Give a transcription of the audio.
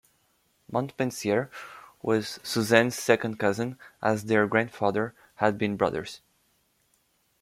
Montpensier was Suzanne's second cousin as their grandfathers had been brothers.